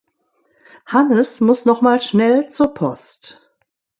Hannes muss noch mal schnell zur Post.